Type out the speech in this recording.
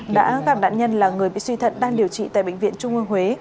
đã gặp nạn nhân là người bị suy thận đang điều trị tại bệnh viện trung ương huế